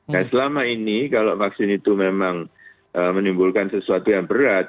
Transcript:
nah selama ini kalau vaksin itu memang menimbulkan sesuatu yang berat